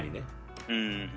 うん。